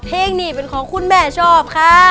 เพลงนี้เป็นของคุณแม่ชอบค่ะ